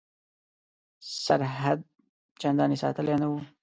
سرحد چنداني ساتلی نه وو.